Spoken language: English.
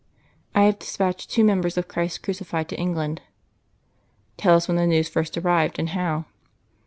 I have despatched two members of Christ Crucified to England.'" "Tell us when the news first arrived, and how."